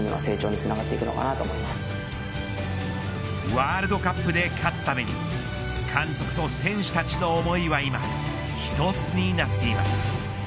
ワールドカップで勝つために監督と選手たちの思いは今一つになっています。